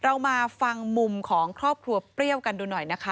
เรามาฟังมุมของครอบครัวเปรี้ยวกันดูหน่อยนะคะ